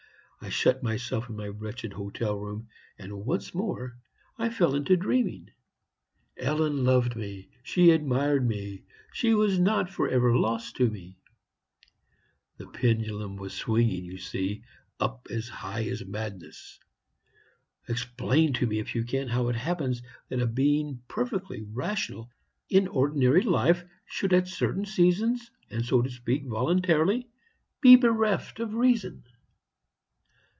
I shut myself up in my wretched hotel room, and once more I fell to dreaming. Ellen loved me; she admired me; she was not for ever lost to me! The pendulum was swinging, you see, up as high as Madness. Explain to me, if you can, how it happens that a being perfectly rational in ordinary life should at certain seasons, and, so to speak, voluntarily, be bereft of reason.